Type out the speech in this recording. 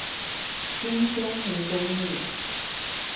新中橫公路